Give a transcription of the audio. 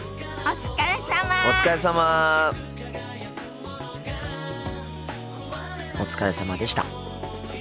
お疲れさまでした。